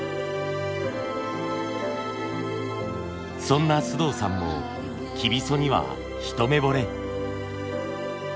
そんな須藤さんもきびそには一目ぼれ。